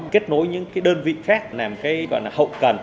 kết nối những đơn vị khác làm hậu cần